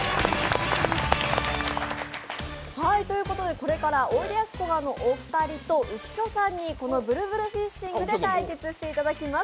これから、おいでやすこがのお二人と浮所さんにこの「ブルブルフィッシング」で対決していただきます。